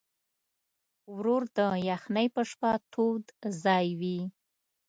ورور د یخنۍ په شپه تود ځای وي.